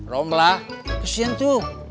romla kesian tuh